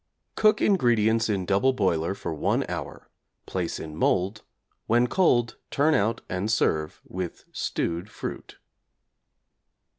Cook ingredients in double boiler for 1 hour; place in mould. When cold turn out and serve with stewed fruit.